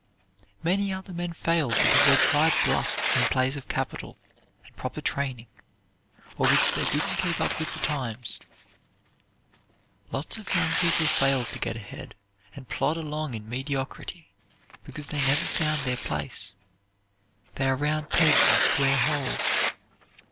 Many other men fail because they tried bluff in place of capital, and proper training, or because they didn't keep up with the times. Lots of young people fail to get ahead and plod along in mediocrity because they never found their place. They are round pegs in square holes.